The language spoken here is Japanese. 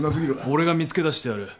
俺が見つけ出してやる。